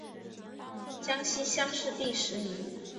江西乡试第十名。